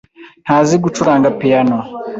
Ntazi gucuranga piyano.